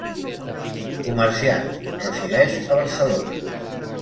Comerciant, resideix a Barcelona.